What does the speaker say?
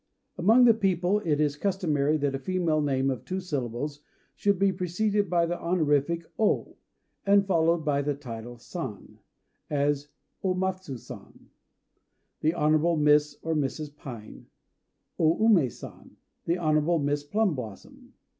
Among the people it is customary that a female name of two syllables should be preceded by the honorific "O," and followed by the title "San," as O Matsu San, "the Honorable Miss [or Mrs.] Pine"; O Umé San, "the Honorable Miss Plum blossom."